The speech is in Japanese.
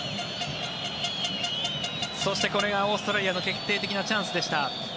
そして、これがオーストラリアの決定的なチャンスでした。